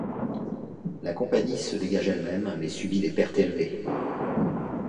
La compagnie se dégage elle-même, mais subit des pertes élevées.